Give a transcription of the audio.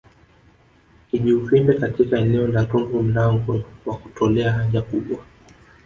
Kijiuvimbe katika eneo la tundu mlango wa kutolea haja kubwa